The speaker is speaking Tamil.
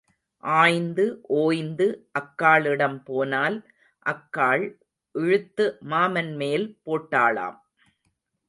ஆய்ந்து ஓய்ந்து அக்காளிடம் போனால் அக்காள் இழுத்து மாமன்மேல் போட்டாளாம்.